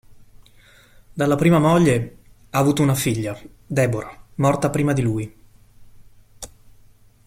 Dalla prima moglie, ha avuto una figlia, Debora, morta prima di lui.